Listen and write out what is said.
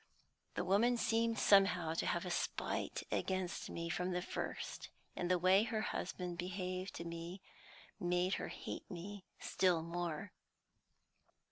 The woman seemed somehow to have a spite against me from the first, and the way her husband behaved to me made her hate me still more.